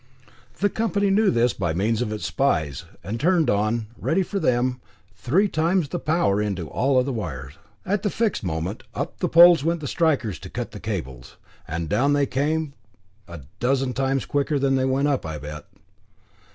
The company knew this by means of its spies, and turned on, ready for them, three times the power into all the wires. At the fixed moment, up the poles went the strikers to cut the cables, and down they came a dozen times quicker than they went up, I bet.